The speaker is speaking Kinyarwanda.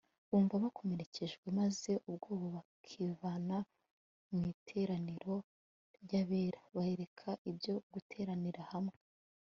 bumva bakomerekejwe, maze ubwabo bakivana mu iteraniro ry'abera. bareka ibyo guteranira hamwe